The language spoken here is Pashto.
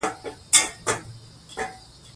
رسوب د افغانستان د زرغونتیا یوه ډېره څرګنده نښه ده.